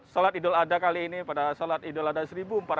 salat idul adha kali ini pada salat idul adha rp satu empat ratus